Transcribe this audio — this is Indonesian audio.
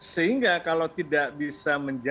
sehingga kalau tidak bisa menjaga